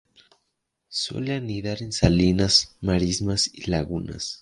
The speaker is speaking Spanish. Suele anidar en salinas, marismas y lagunas.